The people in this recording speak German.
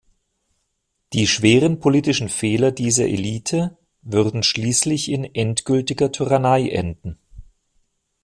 Die schweren politischen Fehler dieser Elite würden schließlich in endgültiger Tyrannei enden.